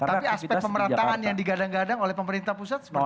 tapi aspek pemerintahan yang digadang gadang oleh pemerintah pusat seperti apa